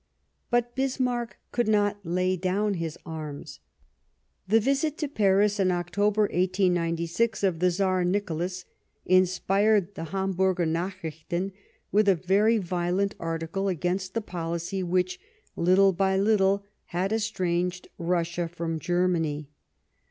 But Bismarck would not lay down his arms. The visit to Paris in October 1896 of the Tsar Nicholas inspired the Hamburger Nachrichtcn with a very violent article against the policy which, little by little, had estranged Russia from Germany.